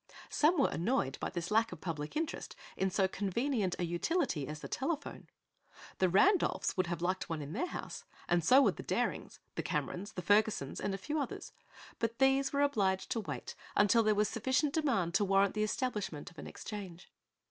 Some were annoyed by this lack of public interest in so convenient a utility as the telephone. The Randolphs would have liked one in their house, and so would the Darings, the Camerons, the Fergusons and a few others; but these were obliged to wait until there was sufficient demand to warrant the establishment of an exchange.